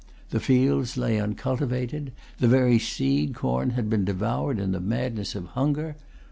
The fields lay uncultivated. The very seed corn had been devoured in the madness of hunger.